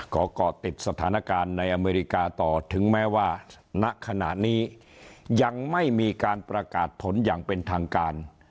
ก็ก่อติดสถานการณ์ในอเมริกาต่อถึงแม้ว่าณขณะนี้ยังไม่มีการประกาศผลอย่างเป็นทางการ